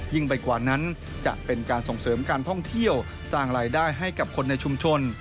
ไปกว่านั้นจะเป็นการส่งเสริมการท่องเที่ยวสร้างรายได้ให้กับคนในชุมชน